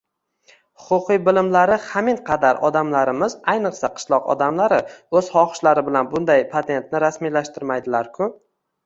huquqiy bilimlari haminqadar odamlarimiz, ayniqsa, qishloq odamlari o‘z xohishlari bilan bunday patentni rasmiylashtirmaydilarku?